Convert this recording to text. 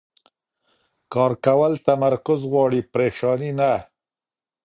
کار کول تمرکز غواړي، پریشاني نه.